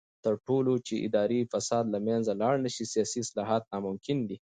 تر څو چې اداري فساد له منځه لاړ نشي، سیاسي اصلاحات ناممکن دي.